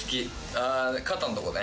ああ、肩のところね。